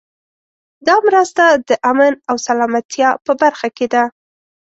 دا مرسته د امن او سلامتیا په برخه کې ده.